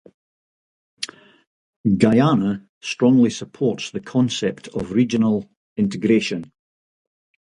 Guyana strongly supports the concept of regional integration.